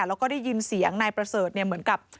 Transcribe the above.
แล้วก็ได้ยินเสียงนายประเสริฐเหมือนกับ